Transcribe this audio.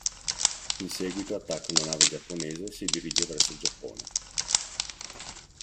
In seguito attacca una nave giapponese e si dirige verso il Giappone.